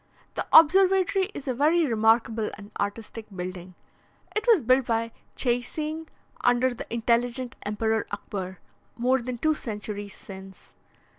The observatory is a very remarkable and artistic building. It was built by Dscheising, under the intelligent Emperor Akbar, more than two centuries since.